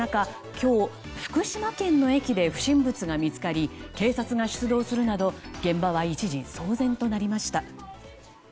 今日、福島県の駅で不審物が見つかり警察が出動するなど現場は一時騒然となりました。